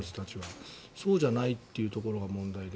そうじゃないというところが問題で。